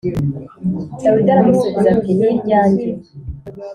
Dawidi aramusubiza ati Ni iryanjye